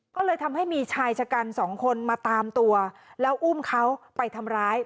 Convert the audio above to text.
ก็เลยทำให้มีชายชะกันสองคนมาตามตัวแล้วอุ้มเขาไปทำร้าย